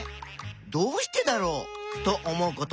「どうしてだろう」と思うこと。